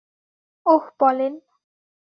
ওহ, Pauline.